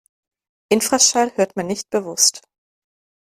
Infraschall hört man nicht bewusst.